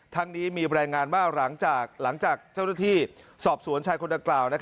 ทั้งนี้มีรายงานว่าหลังจากเจ้าหน้าที่สอบสวนชายคนดังกล่าว